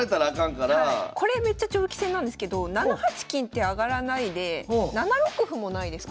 これめっちゃ長期戦なんですけど７八金って上がらないで７六歩もないですか？